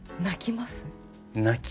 「泣きます」？